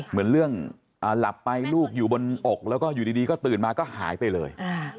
เหมือนเรื่องหลับไปลูกอยู่บนอกแล้วก็อยู่ดีก็ตื่นมาก็หายไปเลย